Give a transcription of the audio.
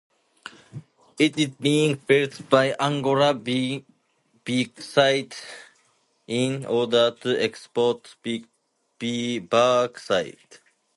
It is being built by Angola Bauxite in order to export bauxite.